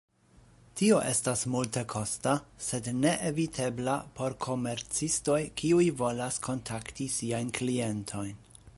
Tio estas multekosta, sed neevitebla por komercistoj kiuj volas kontakti siajn klientojn.